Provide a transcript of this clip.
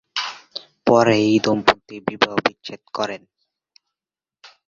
পরে এই দম্পতি বিবাহবিচ্ছেদ করেন।